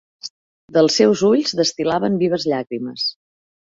Dels seus ulls destil·laven vives llàgrimes.